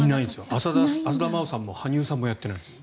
浅田真央さんも羽生さんもやってないんです。